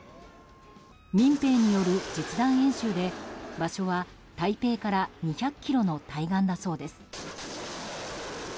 民兵による実弾演習で場所は、台北から２００ｋｍの対岸だそうです。